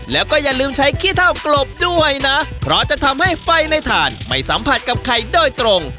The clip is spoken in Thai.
แล้วก็อย่าลืมใช้ขี้เท่ากลบด้วยนะเพราะจะทำให้ไฟในถ่านไม่สัมผัสกับไข่โดยตรง